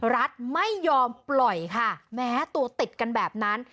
รัฐไม่ยอมปล่อยค่ะแม้ตัวติดกันแบบนั้น